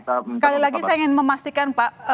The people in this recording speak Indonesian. sekali lagi saya ingin memastikan pak